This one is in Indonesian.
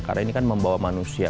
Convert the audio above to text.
karena ini kan membawa manusia